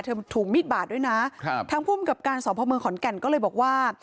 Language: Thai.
ถูกมีดบาดด้วยนะครับทางภูมิกับการสอบพ่อเมืองขอนแก่นก็เลยบอกว่า